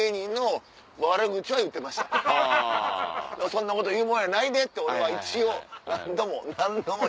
「そんなこと言うもんやないで」って俺は一応何度も何度も。